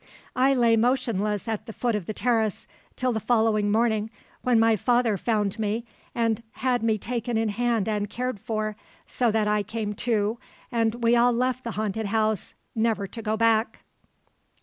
"I lay motionless at the foot of the terrace till the following morning, when my father found me and had me taken in hand and cared for, so that I came to, and we all left the haunted house, never to go back."